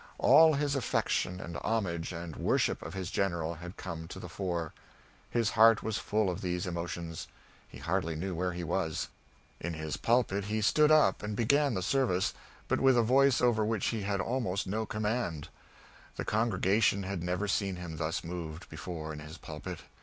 All his affection and homage and worship of his General had come to the fore. His heart was full of these emotions. He hardly knew where he was. In his pulpit, he stood up and began the service, but with a voice over which he had almost no command. The congregation had never seen him thus moved, before, in his pulpit.